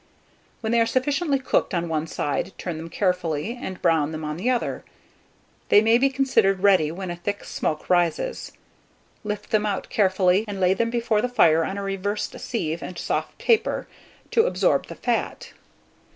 When they are sufficiently cooked on one side, turn them carefully, and brown them on the other: they may be considered ready when a thick smoke rises. Lift them out carefully, and lay them before the fire on a reversed sieve and soft paper, to absorb the fat.